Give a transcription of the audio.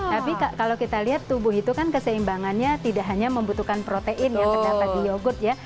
tapi kalau kita lihat tubuh itu kan keseimbangannya tidak hanya membutuhkan protein yang terdapat di yogurt ya